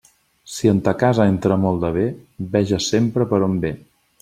Si en ta casa entra molt de bé, veges sempre per on ve.